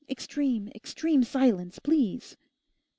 Extreme, extreme silence, please.